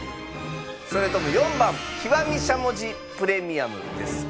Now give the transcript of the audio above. それとも４番極しゃもじプレミアムですか？